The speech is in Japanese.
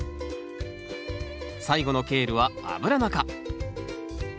最後のケールはアブラナ科。